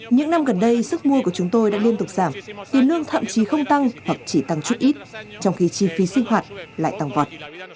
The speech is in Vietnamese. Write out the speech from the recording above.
những năm gần đây sức mua của chúng tôi đã liên tục giảm tiền lương thậm chí không tăng hoặc chỉ tăng chút ít trong khi chi phí sinh hoạt lại tăng vọt